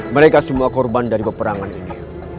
mereka semua korban dari peperangan ini